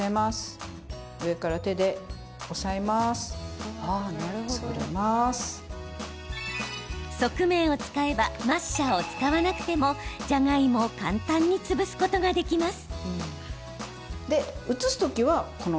どうやって使うかというと側面を使えばマッシャーを使わなくてもじゃがいもを簡単に潰すことができます。